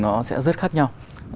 nó sẽ rất khác nhau